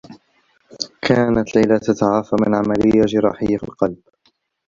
كانت ليلى تتعافى من عمليّة جراجيّة في القلب.